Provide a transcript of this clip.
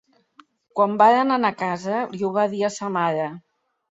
Quan varen anar a casa li ho va dir a sa mare.